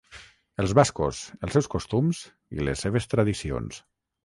Els bascos, els seus costums i les seves tradicions.